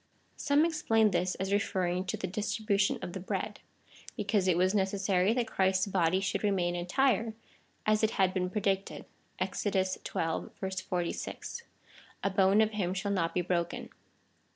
Some explain this as referring to the distribution of the bread, because it was necessary that Christ's body should remain entire, as it had been pre dicted, (Exod. xii. 46,) A bone of him shall not be broken.